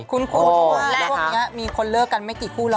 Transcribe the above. คุ้นแล้วพวกนี้มีคนเลิกกันไม่กี่คู่หรอก